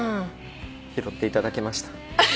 拾っていただけました。